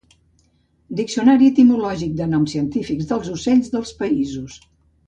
Diccionari etimològic dels noms científics dels ocells dels Països.